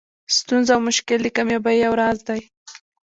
ستونزه او مشکل د کامیابۍ یو راز دئ.